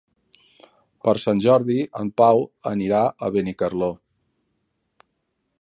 Per Sant Jordi en Pau anirà a Benicarló.